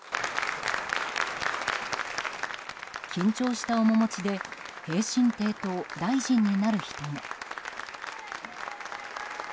緊張した面持ちで平身低頭、大臣になる人も。